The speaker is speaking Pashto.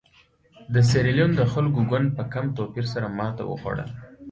د سیریلیون د خلکو ګوند په کم توپیر سره ماته وخوړه.